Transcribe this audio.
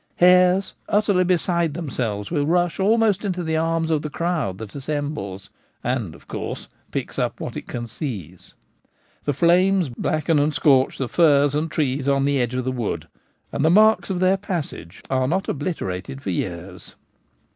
Hares, utterly beside themselves, wilt rush almost into the arms of the crowd that assembles, and, of course, picks up Auto da fe of A nimals. 141 what it can seize. The flames blacken and scorch the firs and trees on the edge of the wood, and the marks of their passage are not obliterated for years.